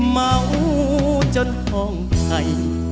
เมาจนห่องไทย